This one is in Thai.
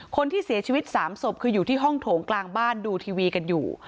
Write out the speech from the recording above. คนที่เสียชีวิต๓ศพคืออยู่ที่ห้องโถงกลางบ้านดูทีวีกันอยู่